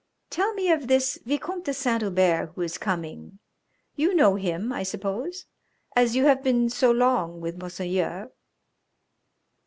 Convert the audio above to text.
"Tell me of this Vicomte de Saint Hubert who is coming. You know him, I suppose, as you have been so long with Monseigneur?"